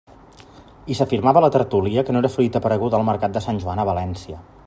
I s'afirmava a la tertúlia que no era fruita apareguda al mercat de Sant Joan a València.